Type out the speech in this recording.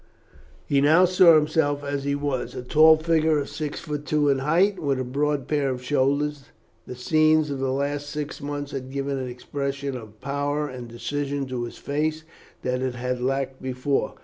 He now saw himself as he was, a tall figure of six feet two in height, with a broad pair of shoulders. The scenes of the last six months had given an expression of power and decision to his face that it had lacked before.